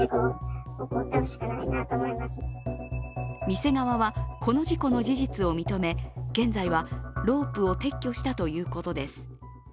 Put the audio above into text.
店側は、この事故の事実を認め現在はロープを撤去したということです。